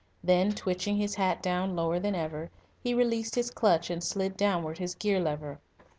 Then, twitching his hat down lower than ever, he released his clutch and slid downward his gear lever.